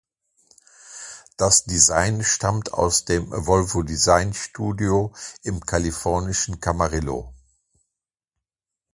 Das Design stammt aus dem Volvo Design-Studio im kalifornischen Camarillo.